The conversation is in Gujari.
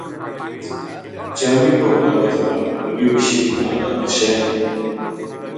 جامی بوکڑا کا جمائی مولوی بشیر نا اللہ بخشے۔